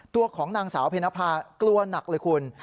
ตัวของนางสาวเพนภากลัวหนักเลยคุณ